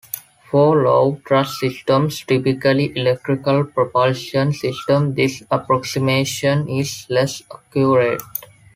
For low thrust systems, typically electrical propulsion systems, this approximation is less accurate.